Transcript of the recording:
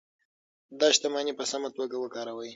دا شتمني په سمه توګه وکاروئ.